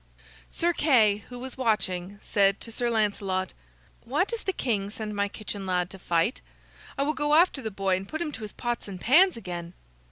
Sir Kay, who was watching, said to Sir Lancelot: "Why does the king send my kitchen lad to fight? I will go after the boy and put him to his pots and pans again."